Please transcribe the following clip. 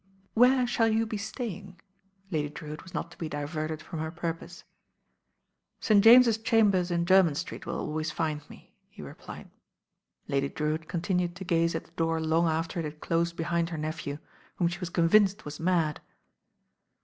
"Where shall you be staying?" Lady Drewitt was not to be diverted from her purpose. "St. James's Chambers in Jermyn Street will always find me," he replied. Lady Drewitt continued to gaze at the door long after it had closed behind her nephew, whom she was convinced was mad.